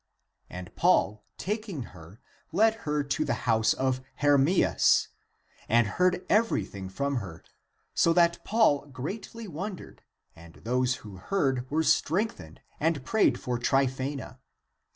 And Paul, taking her, led her to the house of Hermias and heard everything from her, so that Paul greatly wondered and those who heard were strengthened and prayed for Tryphsena.